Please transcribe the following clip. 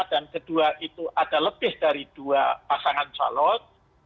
dan kedua itu ada lebih dari dua pasangan salot